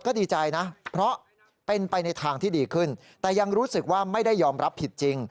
ก็ดีใจนะเพราะเป็นไปในทางที่ดีขึ้นแต่ยังรู้สึกว่าไม่ได้ยอมรับผิดจริง